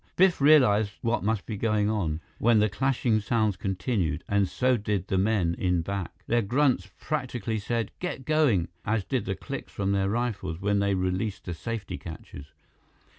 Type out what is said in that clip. Biff realized what must be going on, when the clashing sounds continued; and so did the men in back. Their grunts practically said, "Get going!" as did the clicks from their rifles, when they released the safety catches.